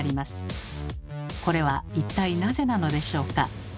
これは一体なぜなのでしょうか？